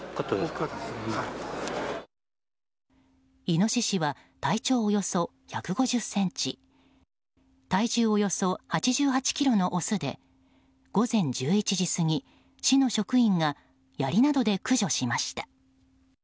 イノシシは体長およそ１５０ｃｍ体重およそ８８ｋｇのオスで午前１１時過ぎ、市の職員がやりなどで駆除しました。